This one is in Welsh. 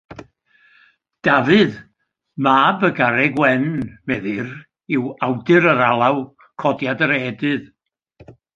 Dafydd, mab y Garreg Wen, meddir, yw awdur yr alaw Codiad yr Ehedydd.